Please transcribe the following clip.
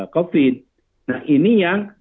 covid nah ini yang